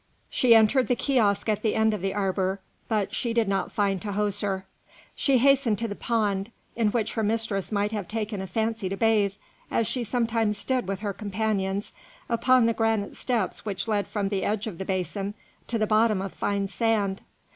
She entered the kiosk at the end of the arbour, but she did not find Tahoser; she hastened to the pond, in which her mistress might have taken a fancy to bathe, as she sometimes did with her companions, upon the granite steps which led from the edge of the basin to the bottom of fine sand.